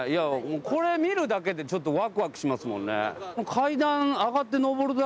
これ見るだけでちょっとワクワクしますもんね。